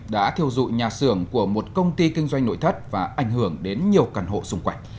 đã thiêu dụi nhà xưởng của một công ty kinh doanh nội thất và ảnh hưởng đến nhiều căn hộ xung quanh